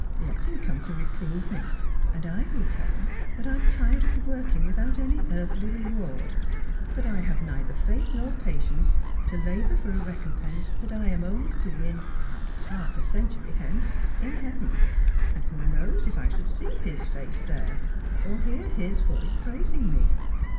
"Let him come to reprove me, and I will tell him that I am tired of working without any earthly reward ; that I have neither faith nor patience to labour for a recom pense that I am only to win, perhaps half a century hence, in heaven. And who knows if I should see his face there, or hear Ids voice praising me.'